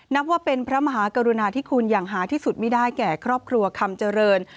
นับว่าเป็นพระมหากรุณาที่คุณอย่างหาที่สุดไม่ได้แก่ครอบครัวคำเจริญ